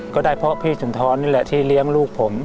ก็ได้เพราะพี่สุนทรนี่แหละที่เลี้ยงลูกผม